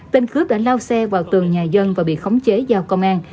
tên cướp đã lao xe vào tường nhà dân và bị khống chế giao công an